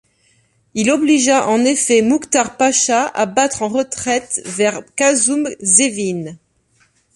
Il obligea en effet Mouktar Pacha à battre en retraite vers Kazum Zevin.